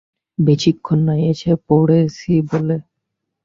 বেশিক্ষণ নয়, এসে পড়েছি বলে।